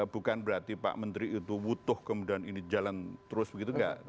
bukan berarti pak menteri itu wutuh kemudian ini jalan terus begitu enggak